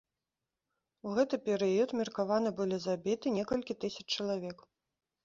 У гэты перыяд меркавана былі забіты некалькі тысяч чалавек.